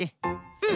うん。